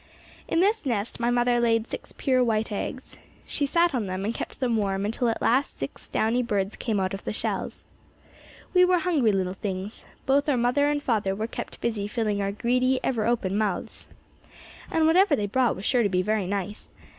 "In this nest my mother laid six pure white eggs. She sat on them and kept them warm until at last six downy birds came out of the shells. "We were hungry little things. Both our mother and father were kept busy filling our greedy, ever open mouths. "And whatever they brought was sure to be very nice.